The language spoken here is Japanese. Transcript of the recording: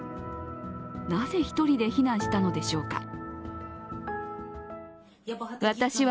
なぜ一人で避難したのでしょうか。